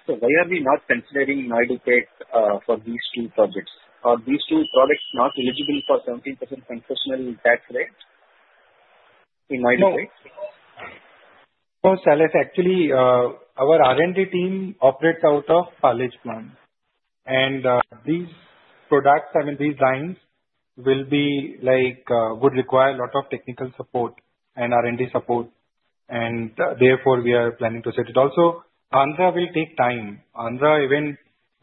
So why are we not considering Naidupeta for these two projects? Are these two products not eligible for 17% concessional tax rate in Naidupeta? No, Shailesh. Actually, our R&D team operates out of Palej. And these products, I mean, these lines will be like would require a lot of technical support and R&D support. And therefore, we are planning to set it. Also, and even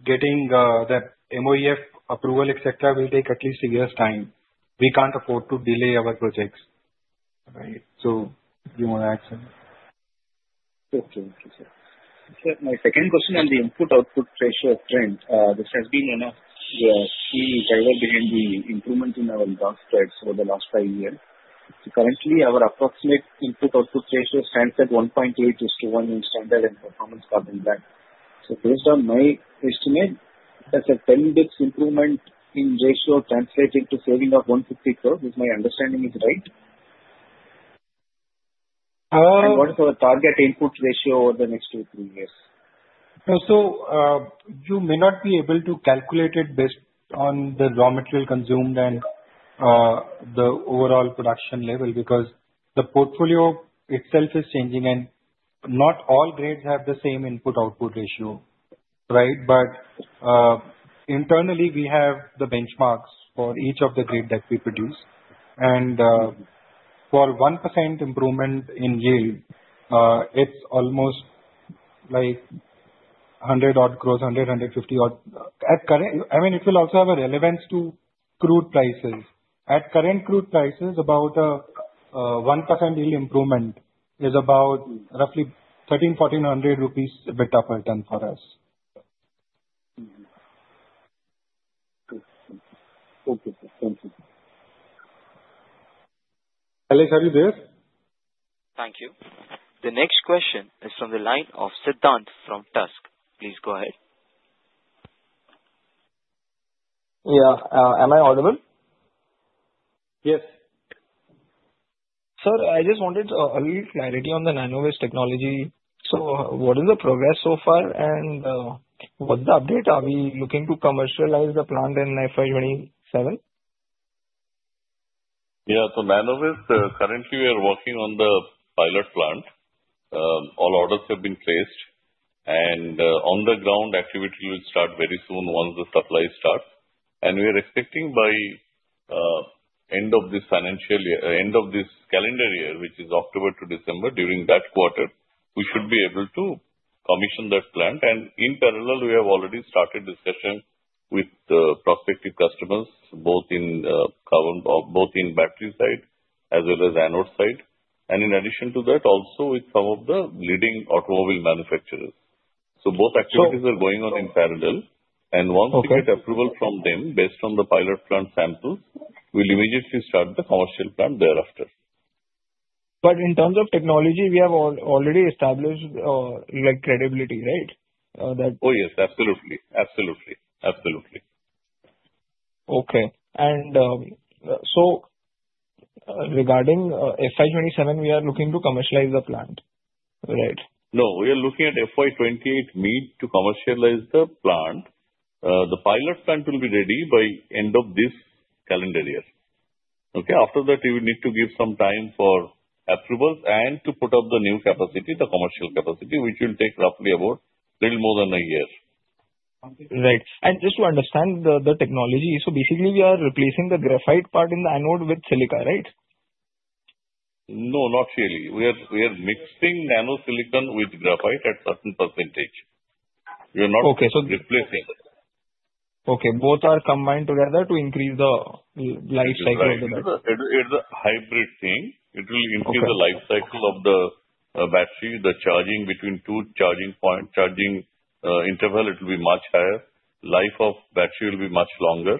getting the MoEF approval, etc., will take at least a year's time. We can't afford to delay our projects. Right. So you want to add something? Okay. Okay, sir. My second question on the input-output ratio trend. This has been one of the key drivers behind the improvement in our last five years. Currently, our approximate input-output ratio stands at 1.8:1 in standard and performance carbon black. So based on my estimate, that's a 10x improvement in ratio translated to saving of 150 crore, if my understanding is right. And what is our target input ratio over the next two, three years? So you may not be able to calculate it based on the raw material consumed and the overall production level because the portfolio itself is changing, and not all grades have the same input-output ratio, right? But internally, we have the benchmarks for each of the grades that we produce. For 1% improvement in yield, it's almost like 100-odd crore INR, 100-150-odd crore INR. I mean, it will also have a relevance to crude prices. At current crude prices, about a 1% yield improvement is about roughly 1,300-1,400 rupees EBITDA per ton for us. Okay. Okay. Thank you. Shailesh, are you there? Thank you. The next question is from the line of Siddhant from Trust. Please go ahead. Yeah. Am I audible? Yes. Sir, I just wanted a little clarity on the NanoWave technology. So what is the progress so far, and what's the update? Are we looking to commercialize the plant in FY27? Yeah. So NanoWave, currently, we are working on the pilot plant. All orders have been placed. And on-the-ground activity will start very soon once the supply starts. We are expecting by end of this calendar year, which is October to December, during that quarter, we should be able to commission that plant. And in parallel, we have already started discussion with prospective customers, both in battery side as well as anode side. And in addition to that, also with some of the leading automobile manufacturers. So both activities are going on in parallel. And once we get approval from them based on the pilot plant samples, we'll immediately start the commercial plant thereafter. But in terms of technology, we have already established credibility, right? That? Oh, yes. Absolutely. Absolutely. Absolutely. Okay. And so regarding FY27, we are looking to commercialize the plant, right? No, we are looking at FY28 to commercialize the plant. The pilot plant will be ready by end of this calendar year. Okay? After that, we need to give some time for approvals and to put up the new capacity, the commercial capacity, which will take roughly about a little more than a year. Right. And just to understand the technology, so basically, we are replacing the graphite part in the anode with silicon, right? No, not really. We are mixing nanosilicon with graphite at a certain percentage. We are not replacing. Okay. So both are combined together to increase the life cycle of the battery? It's a hybrid thing. It will increase the life cycle of the battery, the charging between two charging points, charging interval. It will be much higher. Life of battery will be much longer.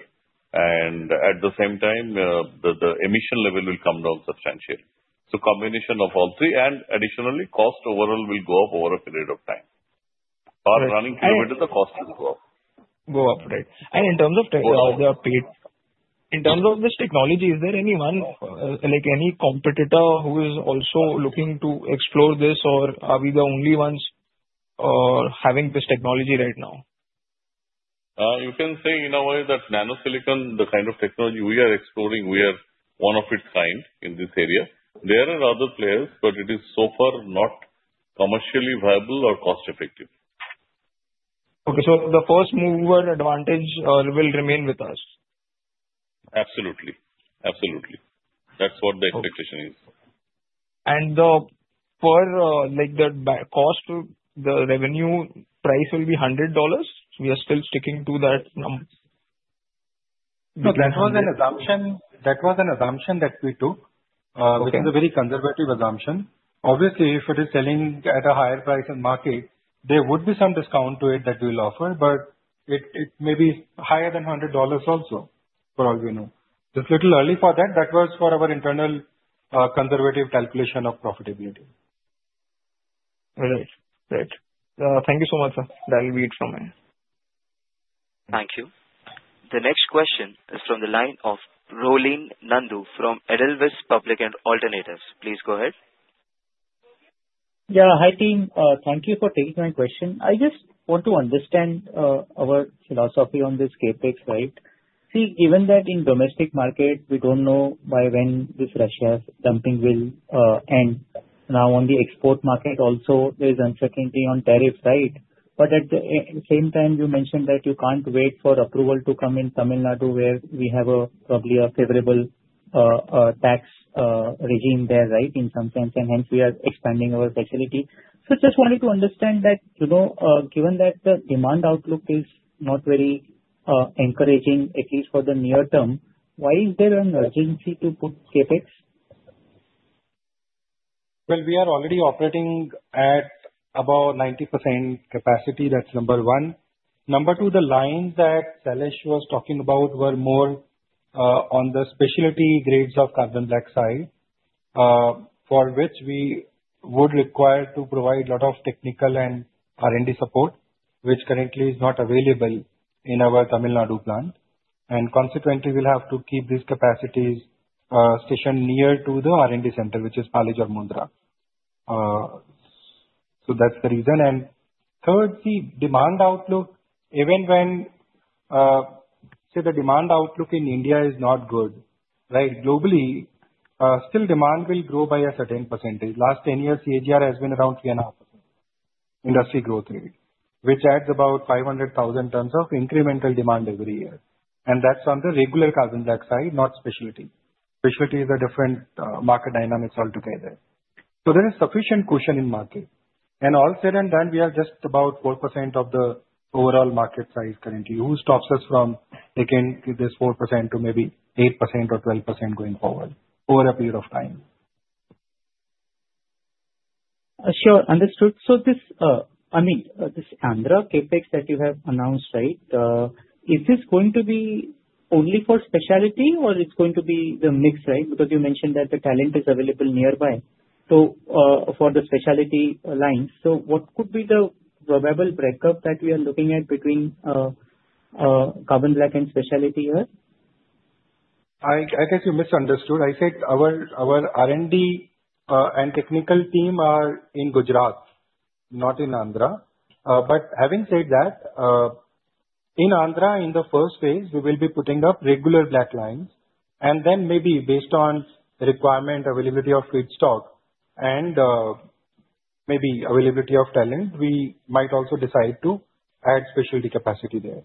And at the same time, the emission level will come down substantially. So combination of all three. And additionally, cost overall will go up over a period of time. Fast running kilometers, the cost will go up. Go up, right. And in terms of technology, in terms of this technology, is there any competitor who is also looking to explore this, or are we the only ones having this technology right now? You can say in a way that nanosilicon, the kind of technology we are exploring, we are one of its kind in this area. There are other players, but it is so far not commercially viable or cost-effective. Okay. So the first mover advantage will remain with us? Absolutely. Absolutely. That's what the expectation is. And the cost, the revenue price will be $100? We are still sticking to that number? No, that was an assumption that we took, which is a very conservative assumption. Obviously, if it is selling at a higher price in market, there would be some discount to it that we'll offer, but it may be higher than $100 also, for all we know. It's a little early for that. That was for our internal conservative calculation of profitability. Right. Right. Thank you so much, sir. That'll be it from me. Thank you. The next question is from the line of Rolin Nandu from Edelweiss Public & Alternatives. Please go ahead. Yeah. Hi, team. Thank you for taking my question. I just want to understand our philosophy on this CapEx, right? See, given that in domestic market, we don't know by when this Russia dumping will end. Now, on the export market, also, there is uncertainty on tariffs, right? But at the same time, you mentioned that you can't wait for approval to come in Tamil Nadu, where we have probably a favorable tax regime there, right, in some sense, and hence we are expanding our facility. So just wanted to understand that given that the demand outlook is not very encouraging, at least for the near term, why is there an urgency to put CapEx? Well, we are already operating at about 90% capacity. That's number one. Number two, the lines that Shailesh was talking about were more on the specialty grades of carbon black side, for which we would require to provide a lot of technical and R&D support, which currently is not available in our Tamil Nadu plant. And consequently, we'll have to keep these capacities stationed near to the R&D center, which is in Mundra. So that's the reason. And third, the demand outlook, even when, say, the demand outlook in India is not good, right? Globally, still demand will grow by a certain percentage. Last 10 years, CAGR has been around 3.5%, industry growth rate, which adds about 500,000 tons of incremental demand every year. And that's on the regular carbon black side, not specialty. Specialty is a different market dynamic altogether. So there is sufficient cushion in market. And all said and done, we have just about 4% of the overall market size currently. Who stops us from taking this 4% to maybe 8% or 12% going forward over a period of time? Sure. Understood. So I mean, this announced CapEx that you have announced, right? Is this going to be only for specialty, or it's going to be the mix, right? Because you mentioned that the talent is available nearby for the specialty lines. So what could be the probable breakup that we are looking at between carbon black and specialty here? I guess you misunderstood. I said our R&D and technical team are in Gujarat, not in Andhra. But having said that, in Andhra, in the first phase, we will be putting up regular black lines. And then maybe based on requirement, availability of feedstock, and maybe availability of talent, we might also decide to add specialty capacity there.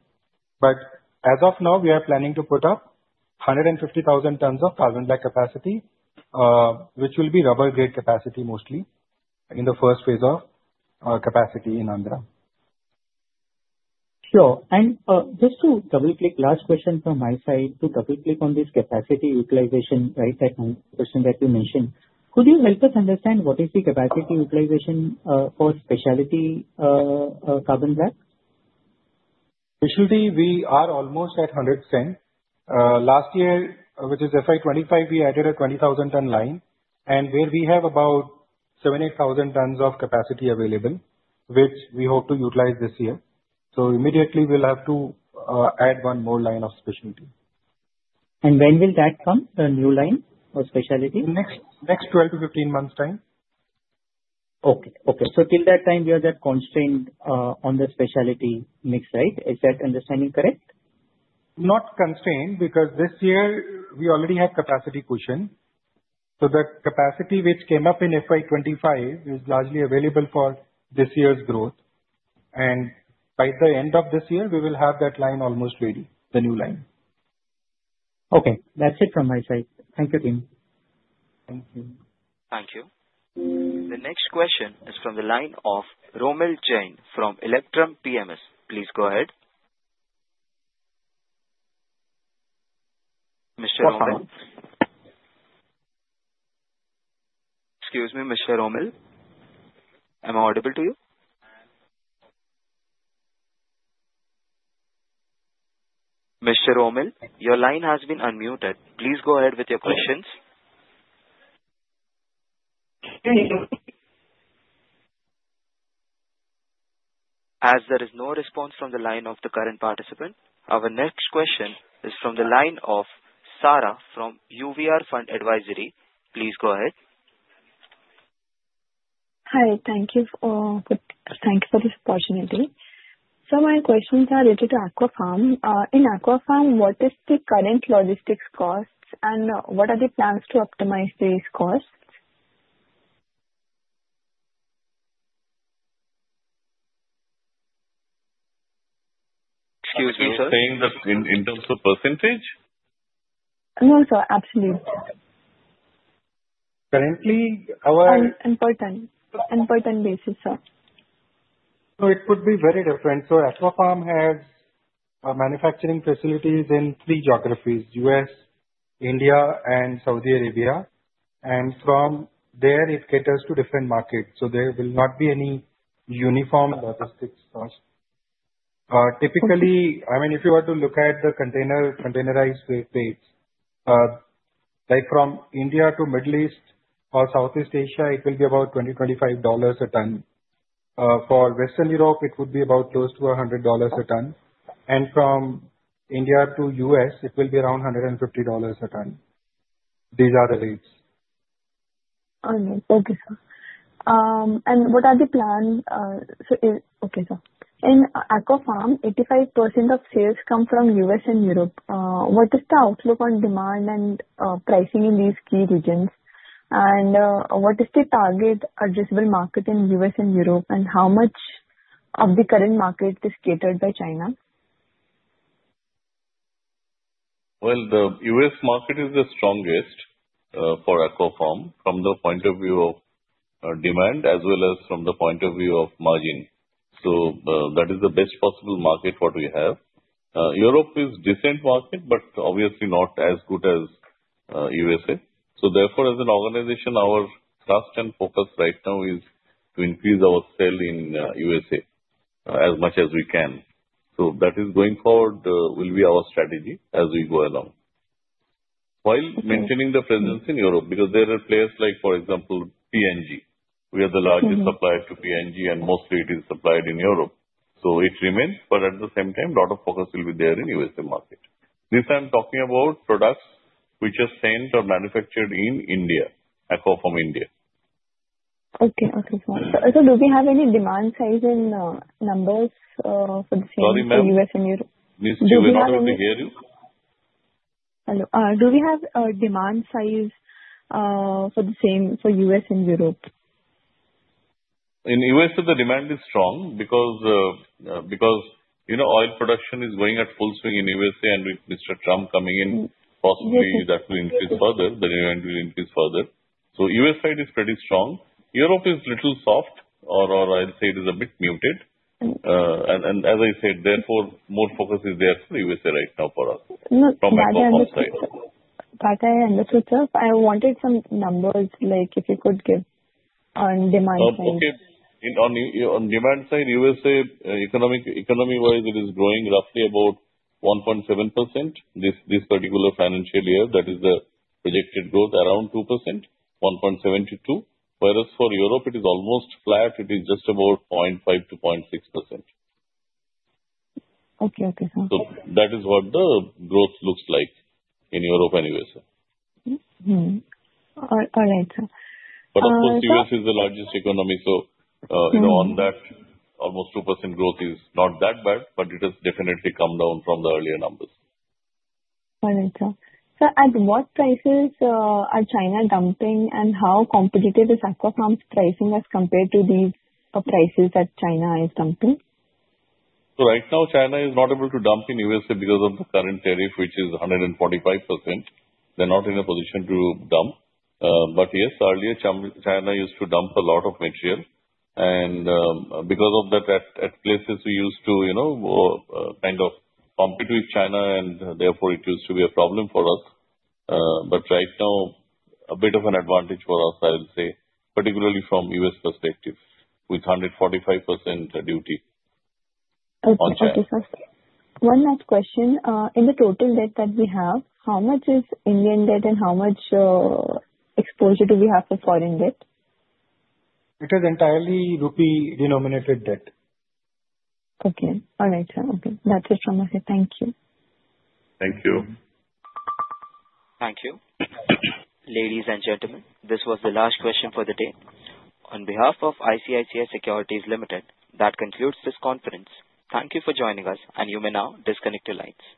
But as of now, we are planning to put up 150,000 tons of carbon black capacity, which will be rubber-grade capacity mostly in the first phase of capacity in Andhra. Sure. And just to double-click, last question from my side to double-click on this capacity utilization, right, that question that you mentioned. Could you help us understand what is the capacity utilization for specialty carbon black? Specialty, we are almost at 100%. Last year, which is FY25, we added a 20,000-ton line, and where we have about 7,000-8,000 tons of capacity available, which we hope to utilize this year. So immediately, we'll have to add one more line of specialty. And when will that come, the new line of specialty? Next 12-15 months' time. Okay. Okay. So till that time, we are that constrained on the specialty mix, right? Is that understanding correct? Not constrained because this year, we already have capacity cushion. So the capacity which came up in FY25 is largely available for this year's growth. And by the end of this year, we will have that line almost ready, the new line. Okay. That's it from my side. Thank you, team. Thank you. Thank you. The next question is from the line of Romil Jain from Electrum PMS. Please go ahead. Mr. Romil? No problem. Excuse me, Mr. Romil. Am I audible to you? Mr. Romil, your line has been unmuted. Please go ahead with your questions. As there is no response from the line of the current participant, our next question is from the line of Sara from UVR Fund Advisory. Please go ahead. Hi. Thank you for this opportunity. So my questions are related to Aquapharm. In Aquapharm, what is the current logistics cost, and what are the plans to optimize these costs? Excuse me, sir. You're saying that in terms of percentage? No, sir. Absolute. Currently, our— On per ton? On per ton basis, sir. So it could be very different. So Aquapharm has manufacturing facilities in three geographies: U.S., India, and Saudi Arabia. And from there, it caters to different markets. So there will not be any uniform logistics cost. Typically, I mean, if you were to look at the containerized rates, from India to Middle East or Southeast Asia, it will be about $20-$25 a ton. For Western Europe, it would be about close to $100 a ton. And from India to U.S., it will be around $150 a ton. These are the rates. All right. Thank you, sir. And what are the plan? Okay, sir. In Aquapharm, 85% of sales come from U.S. and Europe. What is the outlook on demand and pricing in these key regions? And what is the target addressable market in U.S. and Europe, and how much of the current market is catered by China? Well, the U.S. market is the strongest for Aquapharm from the point of view of demand as well as from the point of view of margin. So that is the best possible market what we have. Europe is a decent market, but obviously not as good as USA. So therefore, as an organization, our first and focus right now is to increase our sale in USA as much as we can. So that is going forward will be our strategy as we go along. While maintaining the presence in Europe because there are players like, for example, P&G. We are the largest supplier to P&G, and mostly it is supplied in Europe. So it remains, but at the same time, a lot of focus will be there in the USA market. This I'm talking about products which are sent or manufactured in India, Aquapharm India. Okay. Okay. So do we have any demand size in numbers for the same for US and Europe? Sorry, ma'am. Mr. Romil, I don't hear you. Hello? Do we have demand size for the same for U.S. and Europe? In USA, the demand is strong because oil production is going at full swing in USA, and with Mr. Trump coming in, possibly that will increase further. The demand will increase further. So US side is pretty strong. Europe is a little soft, or I'd say it is a bit muted. And as I said, therefore, more focus is there for USA right now for us from Aquapharm side. Okay. Okay. Okay. That I understood. I wanted some numbers like if you could give on demand side. On demand side, USA economy-wise, it is growing roughly about 1.7% this particular financial year. That is the projected growth around 2%, 1.72%. Whereas for Europe, it is almost flat. It is just about 0.5%-0.6%. Okay. Okay. So that is what the growth looks like in Europe anyway, sir. All right, sir. But of course, U.S. is the largest economy. So on that, almost 2% growth is not that bad, but it has definitely come down from the earlier numbers. All right, sir. So at what prices are China dumping, and how competitive is Aquapharm's pricing as compared to these prices that China is dumping? So right now, China is not able to dump in USA because of the current tariff, which is 145%. They're not in a position to dump. But yes, earlier, China used to dump a lot of material. And because of that, at places, we used to kind of compete with China, and therefore, it used to be a problem for us. But right now, a bit of an advantage for us, I would say, particularly from U.S. perspective, with 145% duty on charge. Okay. Okay. One last question. In the total debt that we have, how much is Indian debt, and how much exposure do we have for foreign debt? It is entirely rupee-denominated debt. Okay. All right, sir. Okay. That's it from my side. Thank you. Thank you. Thank you. Ladies and gentlemen, this was the last question for the day. On behalf of ICICI Securities Limited, that concludes this conference. Thank you for joining us, and you may now disconnect your lines.